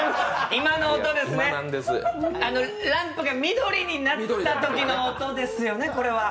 今の音ですね、ランプが緑になったときの音ですよね、これは。